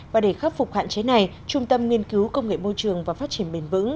và để khắc phục hạn chế này trung tâm nghiên cứu công nghệ môi trường và phát triển bền vững